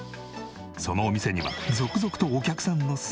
そのお店には続々とお客さんの姿が。